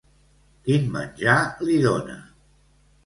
Quin menjar li dona?